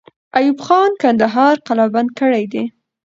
ایوب خان کندهار قلابند کړی دی.